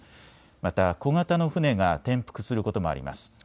また小型の船が転覆することもあります。